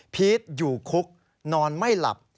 พีชอยู่คุกนอนไม่หลับ